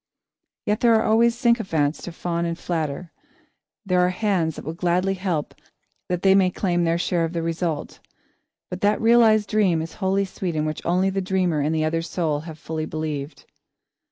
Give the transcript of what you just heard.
There are always sycophants to fawn and flatter, there are hands that will gladly help that they may claim their share of the result, but that realised dream is wholly sweet in which only the dreamer and the other soul have fully believed.